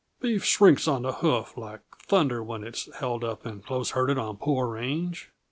"Beef shrinks on the hoof like thunder when it's held up and close herded on poor range.